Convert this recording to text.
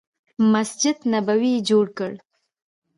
مسجد نبوي یې جوړ کړ.